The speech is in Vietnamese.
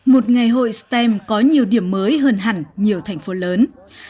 một ngày hội stem có nhiều điểm mới hơn hẳn nhiều thành phố lớn